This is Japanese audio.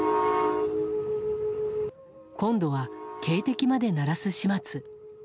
今度は、警笛まで鳴らす始末。